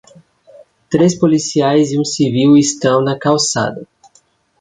Três policiais e um civil estão na calçada.